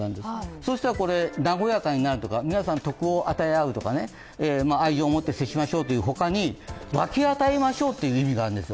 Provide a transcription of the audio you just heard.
そうしたら、和やかになるとか、皆さん、得を与え合うとか、愛情を持って接しましょうとか、分け与えましょうっていう意味があるんですよ。